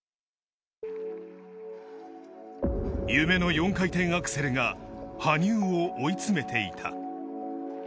夢の４回転アクセルが羽生を追い詰めていた。